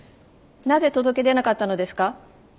なぜ届け出なかったのですか？